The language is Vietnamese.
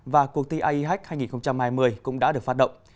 và cuộc thi ieac hai nghìn hai mươi cũng đã được phát động